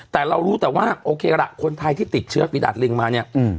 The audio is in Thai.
แต่เรารู้แต่ว่าโอเคล่ะคนไทยที่ติดเชื้อฟีดาดลิงมาเนี่ย